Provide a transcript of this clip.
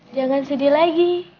jangan sedih lagi